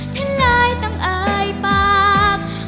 ฉันเลยต้องเอ่ยปาก